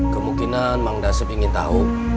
kemungkinan mang dasip ingin tahu